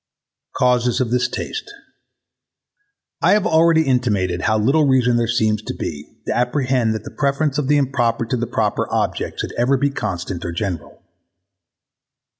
Causes of this taste I have already intimated how little reason there seems to be to apprehend that the preference of the improper to the proper object should ever be constant or general.